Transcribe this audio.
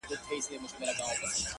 • یو خو نه دی را سره دي زر یادونه -